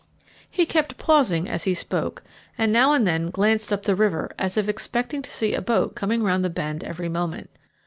He kept pausing as he spoke, and now and then glanced up the river, as if expecting to see a boat coming round the bend every moment.